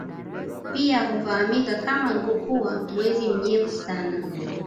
Pia hufahamika kama Nkokua mwezi mnyevu sana